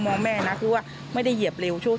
มองแม่นะคือว่าไม่ได้เหยียบเร็ว